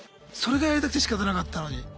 それがやりたくてしかたなかったのに。